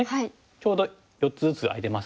ちょうど４つずつ空いてますもんね。